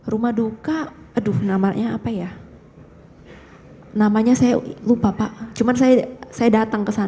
rumah duka aduh namanya apa ya namanya saya lupa pak cuman saya datang ke sana